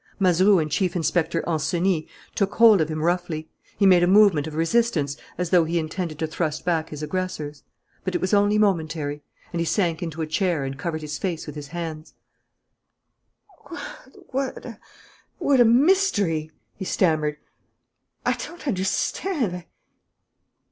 Mazeroux and Chief Inspector Ancenis took hold of him roughly. He made a movement of resistance, as though he intended to thrust back his aggressors. But it was only momentary; and he sank into a chair and covered his face with his hands: "What a mystery!" he stammered. "I don't understand!